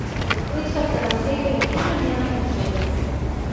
Dissabte na Mireia i en Quim aniran a Consell.